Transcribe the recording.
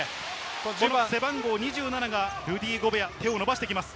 背番号２７、ルディ・ゴベア、手を伸ばしてきます。